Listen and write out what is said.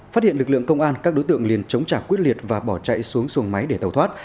phát hiện lực lượng công an các đối tượng liền chống trả quyết liệt và bỏ chạy xuống xuồng máy để tàu thoát